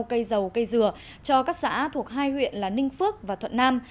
cây dầu cây dừa cho các xã thuộc hai huyện là ninh phước và thuận nam